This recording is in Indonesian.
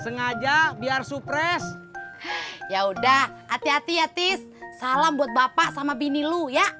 sengaja biar surprise ya udah hati hati ya tips salam buat bapak sama bini lu ya